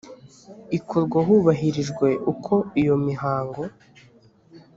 ikorwa hubahirijwe uko iyo mihango